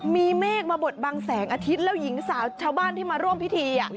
มีเมฆมาบดบังแสงอาทิตย์แล้วหญิงสาวชาวบ้านที่มาร่วมพิธี